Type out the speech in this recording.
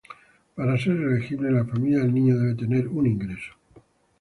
Para ser elegible, la familia del niño debe tener un ingreso: